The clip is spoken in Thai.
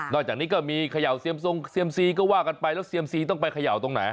จากนี้ก็มีเขย่าเซียมทรงเซียมซีก็ว่ากันไปแล้วเซียมซีต้องไปเขย่าตรงไหน